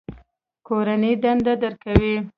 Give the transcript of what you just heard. کورنۍ دنده درکوي؟